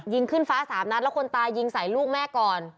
ยิงขึ้นฟ้า๓นัดแล้วคนตายยิงใส่ลูกแม่ก่อน